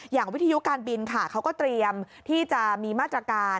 วิทยุการบินค่ะเขาก็เตรียมที่จะมีมาตรการ